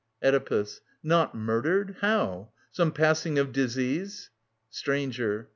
Oedipus. Not murdered? ... How? Some passing of disease Stranger.